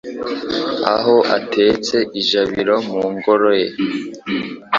Aho atetse ijabiro mu ngoro ye